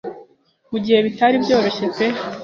Mu gihe bitari byoroshe pe